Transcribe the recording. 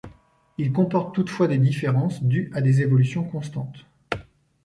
Ils comportent toutefois des différences dues à des évolutions constantes.